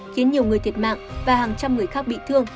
khiến nhiều người thiệt mạng và hàng trăm người khác bị thương